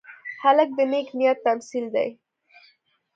هلک د نیک نیت تمثیل دی.